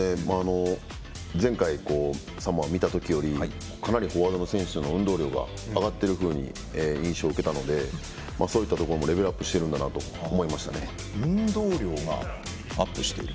前回サモアを見たときよりかなりフォワードの選手の運動量が上がっているように印象を受けたのでそういったところもレベルアップしてるんだなと思いましたね。